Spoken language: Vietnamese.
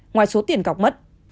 ngoài số tiền cọc mất